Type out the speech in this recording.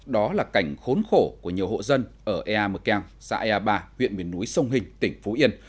đó là cảnh khốn khổ của nhiều hộ dân ở ea mekeng xã ea ba huyện miền núi sông hình tỉnh phú yên